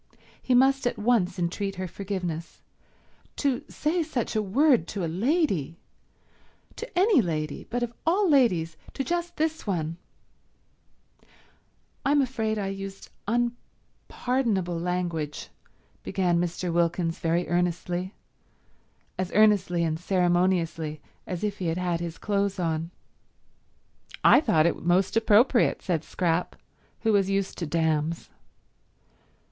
He must at once entreat her forgiveness. To say such a word to a lady—to any lady, but of all ladies to just this one ... "I'm afraid I used unpardonable language," began Mr. Wilkins very earnestly, as earnestly and ceremoniously as if he had had his clothes on. "I thought it most appropriate," said Scrap, who was used to damns.